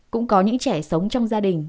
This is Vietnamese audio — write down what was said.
cũng có những trẻ sống trong gia đình